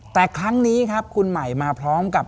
แต่ครั้งนี้ครับคุณใหม่มาพร้อมกับ